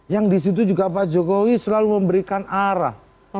yang disitu juga pak jokowi selalu memberikan arah